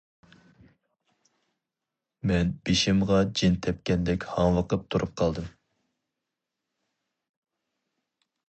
مەن بېشىمغا جىن تەپكەندەك ھاڭۋېقىپ تۇرۇپ قالدىم.